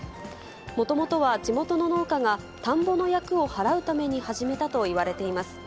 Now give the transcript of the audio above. もともとは地元の農家が田んぼの厄をはらうために始めたといわれています。